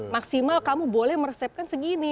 maksimal kamu boleh meresepkan segini